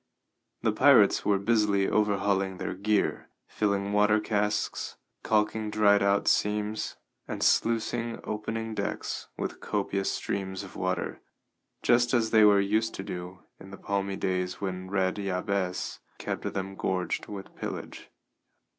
The pirates were busily overhauling their gear, filling water casks, calking dried out seams, and sluicing opening decks with copious streams of water, just as they were used to do in the palmy days when Red Jabez kept them gorged with pillage.